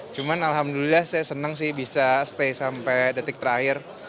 cuman alhamdulillah saya senang sih bisa stay sampai detik terakhir